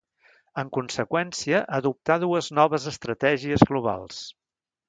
En conseqüència, adoptà dues noves estratègies globals.